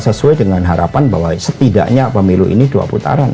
sesuai dengan harapan bahwa setidaknya pemilu ini dua putaran